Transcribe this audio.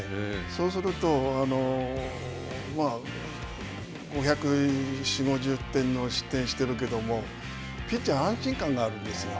そうすると５４０、５０点の失点をしてるけども、ピッチャーは安心感があるんですよ。